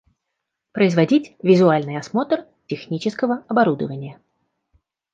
Производить визуальный осмотр технического оборудования